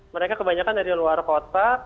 mereka kebanyakan dari luar kota